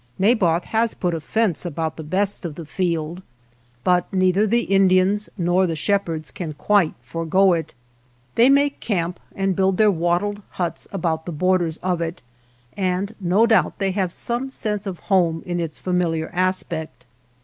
Naboth has put a fence about the best of the field, but neither the Indians nor the shepherds can quite forego it. They make camp and build their wattled huts about the borders of it, and no doubt they 129 MY NEIGHBORS FIELD have some sense of home in its familiar aspect.